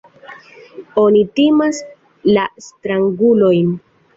Oni timas la strangulojn.